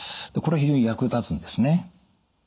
これは非常に役立つんですね。